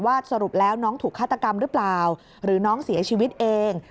สรุปแล้วน้องถูกฆาตกรรมหรือเปล่าหรือน้องเสียชีวิตเอง